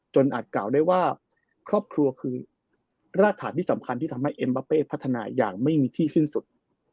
อาจกล่าวได้ว่าครอบครัวคือรากฐานที่สำคัญที่ทำให้เอ็มบาเป้พัฒนาอย่างไม่มีที่สิ้นสุด